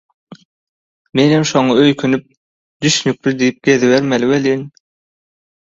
Menem şoňa öýkünip «düşnükli» diýip gezibermeli welin.